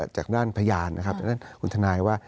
จากด้านพยานนะครับจากด้านคุณทนายว่า